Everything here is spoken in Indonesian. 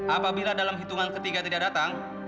apabila dalam hitungan ketiga tidak datang